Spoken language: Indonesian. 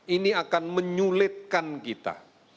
ini akan menyulitkan kita